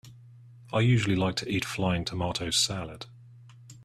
I usually like to eat flying tomato salad.